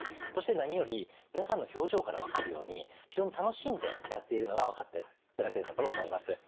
そして何より皆さんの表情から分かるように非常に楽しんでやっているのが分かっていただけるかと思います。